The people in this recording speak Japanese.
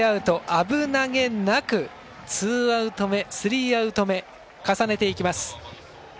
危なげなくツーアウト目、スリーアウト目重ねていきます。